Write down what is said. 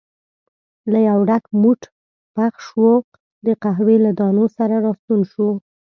له یو ډک موټ پخ شوو د قهوې له دانو سره راستون شو.